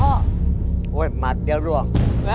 โอ้ยมัดเดี๋ยวร่วง